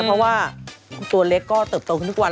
เพราะว่าตัวเล็กก็เติบโตขึ้นทุกวัน